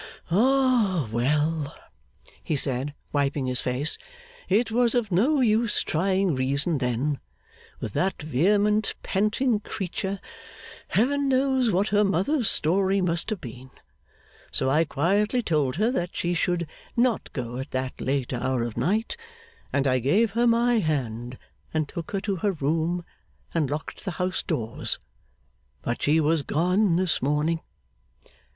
'Ah, well!' he said, wiping his face. 'It was of no use trying reason then, with that vehement panting creature (Heaven knows what her mother's story must have been); so I quietly told her that she should not go at that late hour of night, and I gave her my hand and took her to her room, and locked the house doors. But she was gone this morning.